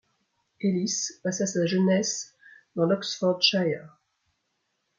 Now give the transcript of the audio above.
Ellis passa sa jeunesse dans l'Oxfordshire.